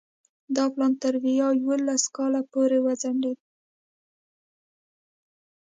دا پلان تر ویا یوولس کال پورې وځنډېد.